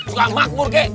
suka makmur kek